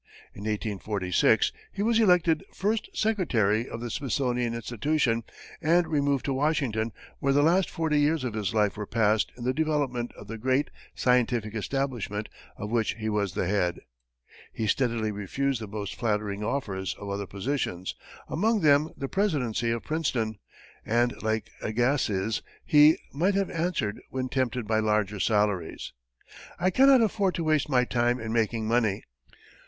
In 1846, he was elected first secretary of the Smithsonian Institution, and removed to Washington, where the last forty years of his life were passed in the development of the great scientific establishment of which he was the head. He steadily refused the most flattering offers of other positions, among them the presidency of Princeton, and like Agassiz, he might have answered, when tempted by larger salaries, "I cannot afford to waste my time in making money."